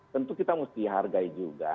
tentu kita harus dihargai juga